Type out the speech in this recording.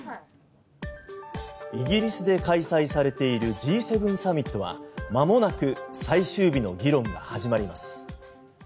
イギリスで開催されているＧ７サミットはまもなく最終日の議論が始まります。